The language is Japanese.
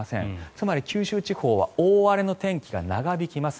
つまり九州地方は大荒れの天気が長引きます。